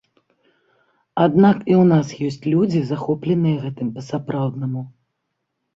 Аднак і ў нас ёсць людзі, захопленыя гэтым па-сапраўднаму.